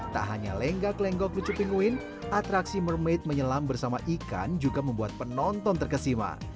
tak hanya lenggak lenggok lucu pinguin atraksi mermaid menyelam bersama ikan juga membuat penonton terkesima